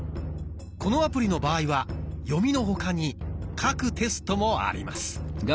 このアプリの場合は「読み」の他に「書く」テストもあります。